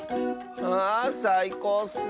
あさいこうッス。